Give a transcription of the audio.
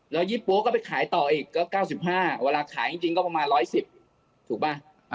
แล้วยี่ปั๊กก็ไปขายต่ออีกก็๙๕เวลาขายจริงก็ประมาณ๑๑๐ถูกป่ะ